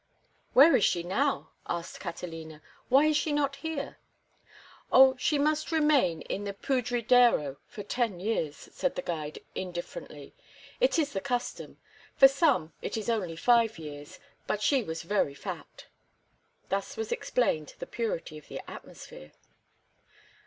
"Where is she now?" asked Catalina. "Why is she not here?" "Oh, she must remain in the Pudridero for ten years," said the guide, indifferently. "It is the custom. For some it is only five years, but she was very fat." Thus was explained the purity of the atmosphere.